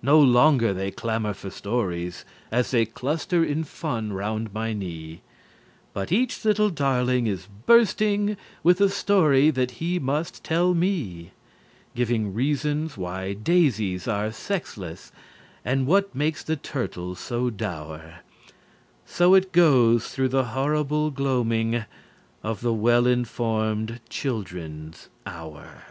No longer they clamor for stories As they cluster in fun 'round my knee But each little darling is bursting With a story that he must tell me, Giving reasons why daisies are sexless And what makes the turtle so dour; So it goes through the horrible gloaming Of the Well informed Children's Hour.